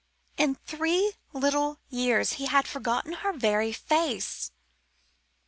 In three little years he had forgotten her very face.